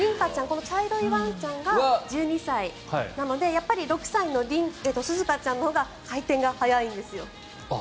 この茶色いワンちゃんが１２歳でやっぱり６歳のすずかちゃんのほうが回転が速いんですよ。